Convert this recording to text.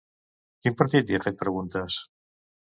Quin partit li ha fet preguntes?